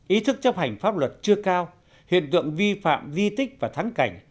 ý thức chấp hành pháp luật chưa cao hiện tượng vi phạm di tích và thắng cảnh